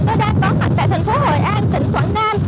tôi đang có mặt tại thành phố hội an tỉnh quảng nam